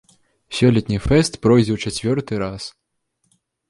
Сёлетні фэст пройдзе ў чацвёрты раз.